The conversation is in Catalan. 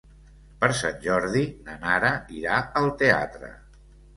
Per Sant Jordi na Nara irà al teatre.